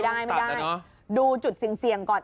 ได้ไม่ได้ดูจุดเสี่ยงก่อน